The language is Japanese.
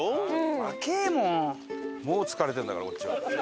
もう疲れてるんだからこっちは。